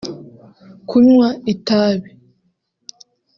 kunywa itabi